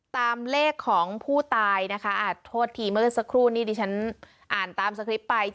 ตามเลขของผู้ตายนะคะโทษทีเมื่อสักครู่นี้ดิฉันอ่านตามสคริปต์ไป